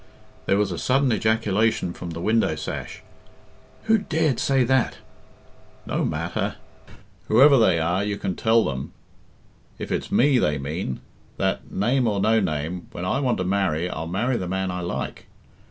There was a sudden ejaculation from the window sash. "Who dared to say that?" "No matter." "Whoever they are, you can tell them, if it's me they mean, that, name or no name, when I want to marry I'll marry the man I like."